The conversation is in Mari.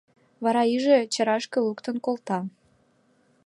Вара иже чарашке луктын колта.